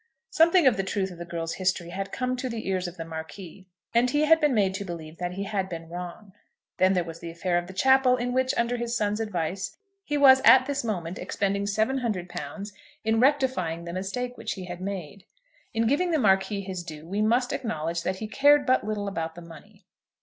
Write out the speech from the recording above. Something of the truth of the girl's history had come to the ears of the Marquis, and he had been made to believe that he had been wrong. Then there was the affair of the chapel, in which, under his son's advice, he was at this moment expending £700 in rectifying the mistake which he had made. In giving the Marquis his due we must acknowledge that he cared but little about the money.